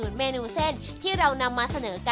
วันนี้ขอบคุณพี่อมนต์มากเลยนะครับ